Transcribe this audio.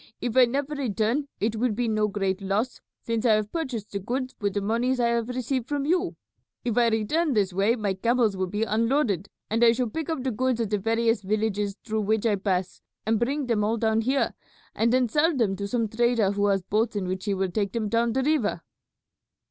If I never return it will be no great loss, since I have purchased the goods with the monies I have received from you. If I return this way my camels will be unloaded, and I shall pick up the goods at the various villages through which I pass and bring them all down here, and then sell them to some trader who has boats in which he will take them down the river."